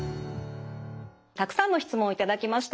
たくさんの質問を頂きました。